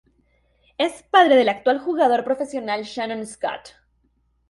Es padre del actual jugador profesional Shannon Scott.